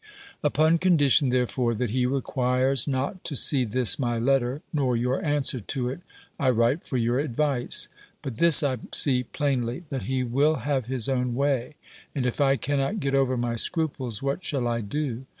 Upon condition, therefore, that he requires not to see this my letter, nor your answer to it, I write for your advice. But this I see plainly, that he will have his own way; and if I cannot get over my scruples, what shall I do?